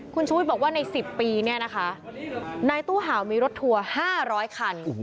คุณชูวิทย์บอกว่าใน๑๐ปีเนี่ยนะคะในตู้เห่ามีรถทัวร์๕๐๐คัน